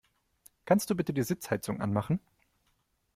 Kannst du bitte die Sitzheizung anmachen?